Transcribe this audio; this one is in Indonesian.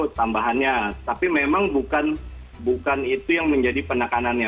tambahannya tapi memang bukan itu yang menjadi penekanannya